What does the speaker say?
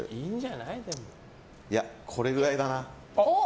これぐらいだな。